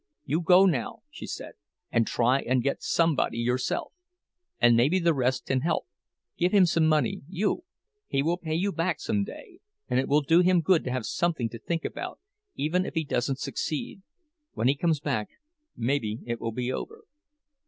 "You go, now," she said, "and try and get somebody yourself. And maybe the rest can help—give him some money, you; he will pay you back some day, and it will do him good to have something to think about, even if he doesn't succeed. When he comes back, maybe it will be over."